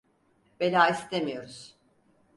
Bela istemiyoruz.